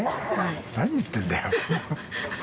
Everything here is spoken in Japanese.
何言ってんだよ。